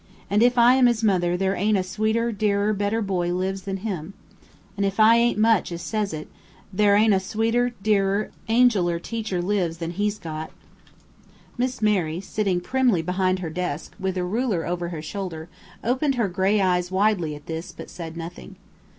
and if I am his mother, there ain't a sweeter, dearer, better boy lives than him. And if I ain't much as says it, thar ain't a sweeter, dearer, angeler teacher lives than he's got." Miss Mary, sitting primly behind her desk, with a ruler over her shoulder, opened her gray eyes widely at this, but said nothing.